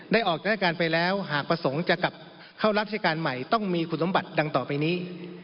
ออกราชการไปแล้วหากประสงค์จะกลับเข้าราชการใหม่ต้องมีคุณสมบัติดังต่อไปนี้